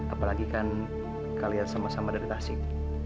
apalagi kan kalian sama sama dari tasik